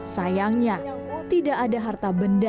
sayangnya tidak ada harta benda yang diterima